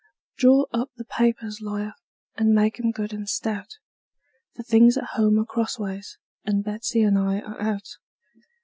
Draw up the papers, lawyer, and make 'em good and stout; For things at home are crossways, and Betsey and I are out.